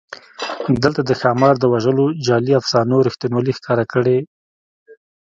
دلته د ښامار د وژلو جعلي افسانو رښتینوالی ښکاره کړی.